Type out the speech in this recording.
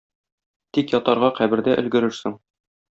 Тик ятарга кабердә өлгерерсең.